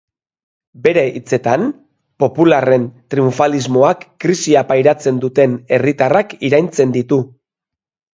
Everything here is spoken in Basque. Bere hitzetan, popularren triunfalismoak krisia pairatzen duten herritarrak iraintzen ditu.